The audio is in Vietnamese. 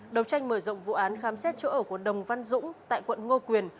đầu tranh mở rộng vụ án khám xét chỗ ở của đồng văn dũng tại quận ngô quyền